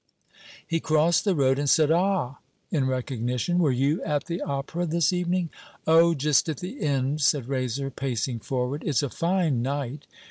He crossed the road and said, 'Ah?' in recognition. 'Were you at the Opera this evening?' 'Oh, just at the end,' said Raiser, pacing forward. 'It's a fine night.